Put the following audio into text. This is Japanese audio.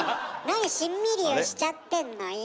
何しんみりをしちゃってんのよ。